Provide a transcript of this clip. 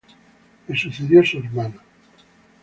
Le sucedió su hermano.